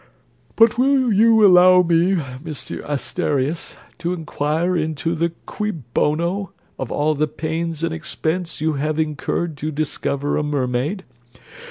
But will you allow me, Mr Asterias, to inquire into the cui bono of all the pains and expense you have incurred to discover a mermaid?